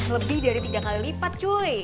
lebih dari tiga kali lipat cuy